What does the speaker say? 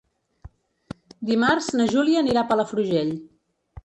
Dimarts na Júlia anirà a Palafrugell.